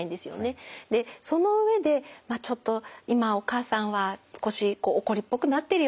その上でちょっと今お母さんは少し怒りっぽくなってるよね。